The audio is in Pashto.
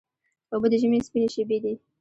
اوبه د ژمي سپینې شېبې دي.